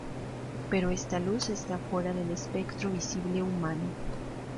Pero esta luz está fuera del espectro visible humano.